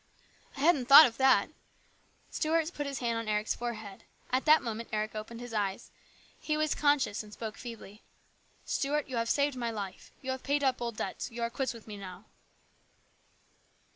" I hadn't thought of that !" Stuart put his hand on Eric's forehead. At that moment Eric opened his eyes. He was conscious and spoke feebly. " Stuart, you have saved my life. You have paid up old debts. You are quits with me now."